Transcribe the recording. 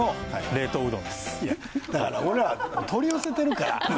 だから俺らは取り寄せてるから。